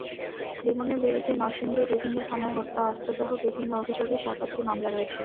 লিমনের বিরুদ্ধে নরসিংদীর বিভিন্ন থানায় হত্যা, অস্ত্রসহ বিভিন্ন অভিযোগে সাত-আটটি মামলা রয়েছে।